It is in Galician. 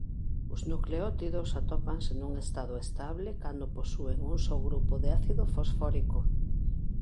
Os nucleótidos atópanse nun estado estable cando posúen un só grupo de ácido fosfórico.